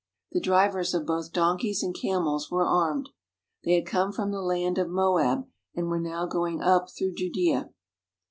The drivers of both donkeys and camels were armed. They had come from the land of Moab, and were now going up through Judea.